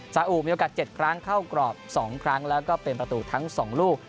สาอุมีโอกาส๗ครั้งเข้ากรอบ๒ครั้งแล้วก็เป็นประตูทั้ง๒ลูก